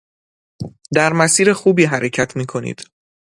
در مسیر خوبی حرکت می کنید.